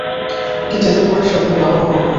কিন্তু এতে কুরাইশরা তেমন লাভবান হল না।